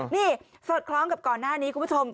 นี่สอดคล้องกับก่อนหน้านี้คุณผู้ชม